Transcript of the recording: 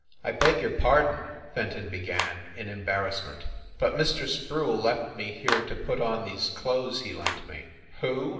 "I beg your pardon," Fenton began, in embarrass ment, "but Mr. Sproule left me here to put on these clothes he lent me." "Who?"